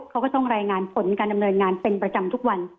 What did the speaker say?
เขาก็ต้องรายงานผลการดำเนินงานเป็นประจำทุกวัน